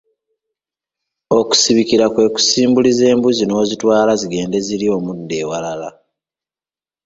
Okusibikira kwe kusimbuliza embuzi n’ozitwala zigende zirye omuddo ewalala.